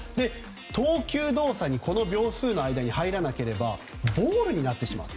投球動作に、この秒数の間に入らなければボールになってしまうと。